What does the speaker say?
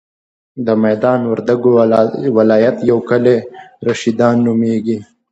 د ميدان وردګو ولایت یو کلی رشیدان نوميږي.